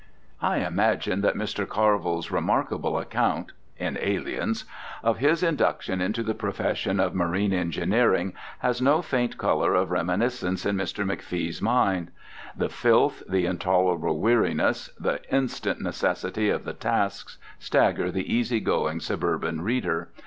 I imagine that Mr. Carville's remarkable account (in Aliens) of his induction into the profession of marine engineering has no faint colour of reminiscence in Mr. McFee's mind. The filth, the intolerable weariness, the instant necessity of the tasks, stagger the easygoing suburban reader.